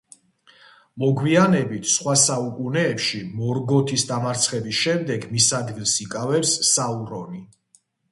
მოგვიანებით, სხვა საუკუნეებში, მორგოთის დამარცხების შემდეგ, მის ადგილს იკავებს საურონი.